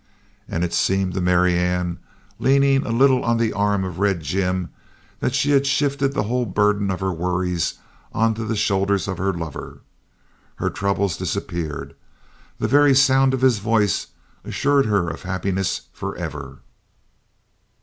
And it seemed to Marianne, leaning a little on the arm of Red Jim, that she had shifted the whole burden of her worries onto the shoulders of her lover. Her troubles disappeared. The very sound of his voice assured her of happiness forever.